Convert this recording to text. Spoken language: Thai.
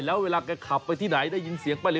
แล้วเวลาแกขับไปที่ไหนได้ยินเสียงป้าเห